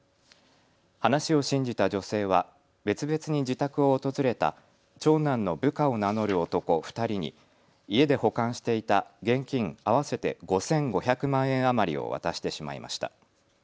話を信じた女性は別々に自宅を訪れた長男の部下を名乗る男２人に家で保管していた現金合わせて５５００万円余りを渡してしまいました。